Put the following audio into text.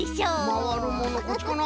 まわるものこっちかな？